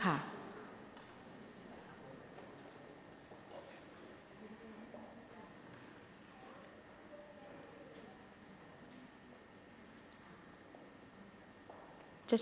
หมายเลข๑๐๐